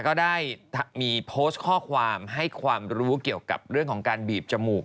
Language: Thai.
ก็ได้มีโพสต์ข้อความให้ความรู้เกี่ยวกับเรื่องของการบีบจมูก